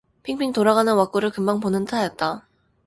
핑핑 돌아가는 와꾸를 금방 보는 듯하였다.